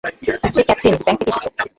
সে Catherine, bank থেকে এসেছে।